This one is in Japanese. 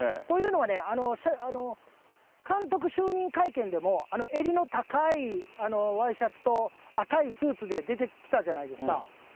というのはね、監督就任会見でも、襟の高いワイシャツと赤いスーツで出てきたじゃないですか。